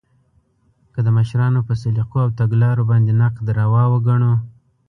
که د مشرانو په سلیقو او تګلارو باندې نقد ناروا وګڼو